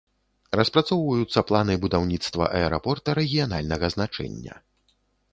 Распрацоўваюцца планы будаўніцтва аэрапорта рэгіянальнага значэння.